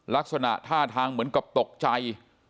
ลักษณะท่าทางเหมือนกับตกใจ